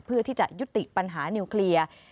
เพื่อที่จะยุติปัญหานิวเคลียร์